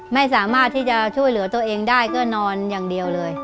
ไม่สามารถที่จะช่วยเหลือตัวเองได้ก็นอนอย่างเดียวเลย